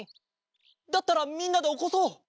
だったらみんなでおこそう。